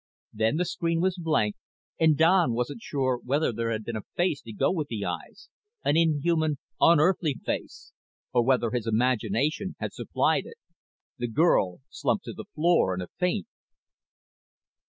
Then the screen was blank and Don wasn't sure whether there had been a face to go with the eyes an inhuman, un earthly face or whether his imagination had supplied it. The girl slumped to the floor in a faint.